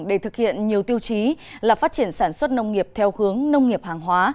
để thực hiện nhiều tiêu chí là phát triển sản xuất nông nghiệp theo hướng nông nghiệp hàng hóa